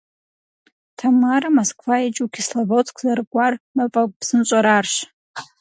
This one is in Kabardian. Тамарэ Москва икӏыу Кисловодск зэрыкӏуар мафӏэгу псынщӏэр арщ.